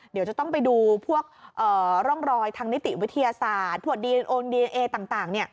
เดี๋ยวจะต้องไปดูพวกร่องรอยทางนิติวิทยาศาสตร์พวกดีโอนดีเอต่าง